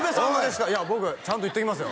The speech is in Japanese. いや僕ちゃんと言っときますよ